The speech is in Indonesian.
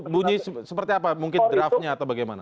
bunyi seperti apa mungkin draftnya atau bagaimana